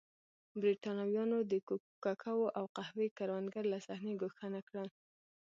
برېټانویانو د کوکو او قهوې کروندګر له صحنې ګوښه نه کړل.